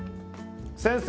先生！